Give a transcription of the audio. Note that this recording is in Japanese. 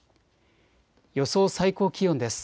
予想最高気温です。